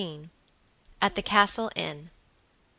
AT THE CASTLE INN.